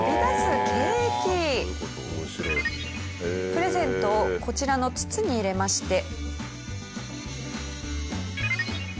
プレゼントをこちらの筒に入れまして。